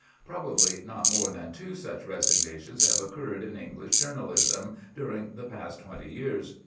Probably not more than two such resignations have occurred in English journalism during the past twenty years.